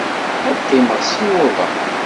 Ad qqimeɣ sin wuḍan.